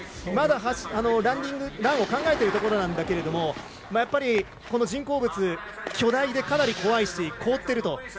まだランディングランを考えているところだけどもやっぱり、人工雪巨大でかなり怖いし凍っていると。